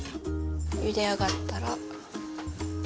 ゆで上がったら。